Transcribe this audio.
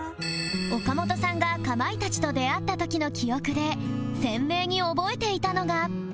岡本さんがかまいたちと出会った時の記憶で鮮明に覚えていたのが